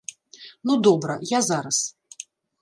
Ну добра, я зараз.